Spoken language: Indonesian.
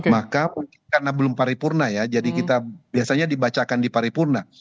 maka mungkin karena belum paripurna ya jadi kita biasanya dibacakan di paripurna